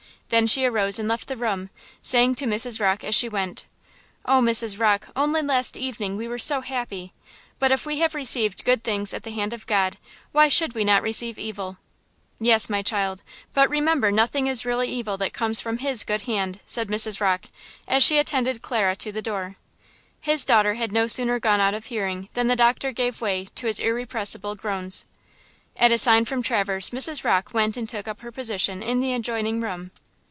Then she arose and left the room, saying to Mrs. Rocke as she went: "Oh, Mrs. Rocke, only last evening we were so happy–'But if we have received good things at the hand of God, why should we not receive evil?'" "Yes, my child; but remember nothing is really evil that comes from His good hand," said Mrs. Rocke, as she attended Clara to the door. His daughter had no sooner gone out of hearing than the doctor gave way to his irrepressible groans. At a sign from Traverse Mrs. Rocke went and took up her position in the adjoining room.